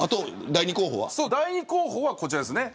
第２候補はこちらですね。